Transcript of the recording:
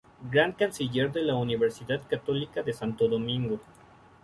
Gran Canciller de la Universidad Católica de Santo Domingo.